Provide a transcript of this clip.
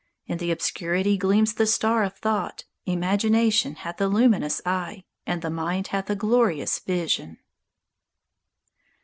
In the obscurity gleams the star of Thought; Imagination hath a luminous eye, And the mind hath a glorious vision.